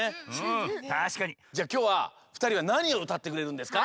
じゃあきょうはふたりはなにをうたってくれるんですか？